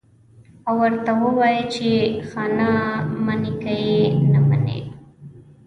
او ورته ووايي چې خانه منې که يې نه منې.